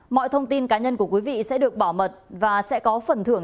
mọi thông tin cá nhân của quý vị sẽ được bảo mật và sẽ có phần thưởng